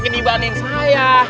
oh bikin dibanen saya